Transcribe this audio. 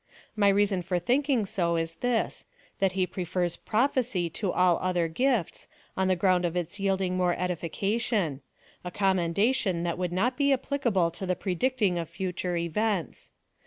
^ My reason for thinking so is this, that he prefers j)rophecy to all other gifts, on the ground of its yielding more edifi cation — a commendation that would not be ap]3licable to the predicting of future events.